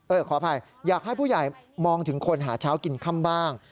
ขออภัยอยากให้ผู้ใหญ่มองถึงคนหาเช้ากินค่ำบ้าง